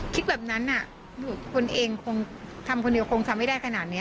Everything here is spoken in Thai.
คิดแบบนั้นคนเองคงทำคนเดียวคงทำไม่ได้ขนาดนี้